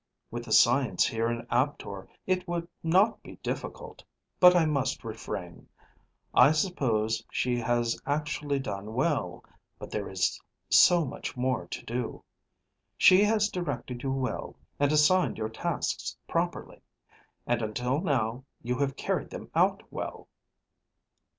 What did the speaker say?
With the science here in Aptor it would not be difficult. But I must refrain. I suppose she has actually done well. But there is so much more to do. She has directed you well, and assigned your tasks properly. And until now you have carried them out well."